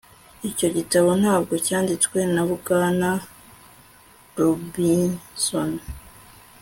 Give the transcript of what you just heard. Icyo gitabo ntabwo cyanditswe na Bwana Robinson